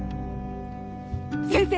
先生！